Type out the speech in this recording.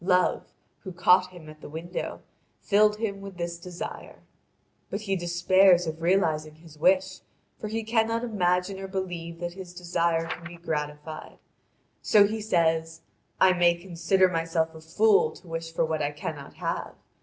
Love, who caught him at the window, filled him with this desire. But he despairs of realising his wish, for he cannot imagine or believe that his desire can be gratified. So he says: "I may consider myself a fool to wish for what I cannot have.